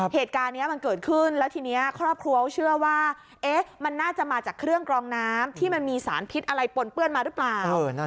เหตุการณ์นี้มันเกิดขึ้นแล้วทีนี้ครอบครัวเขาเชื่อว่ามันน่าจะมาจากเครื่องกรองน้ำที่มันมีสารพิษอะไรปนเปื้อนมาหรือเปล่า